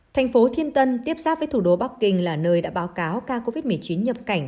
thành phố thiên tân tiếp xác với thủ đô bắc kinh là nơi đã báo cáo ca covid một mươi chín nhập cảnh